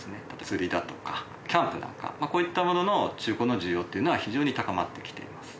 釣りだとかキャンプなんかこういったものの中古の需要っていうのは非常に高まってきています。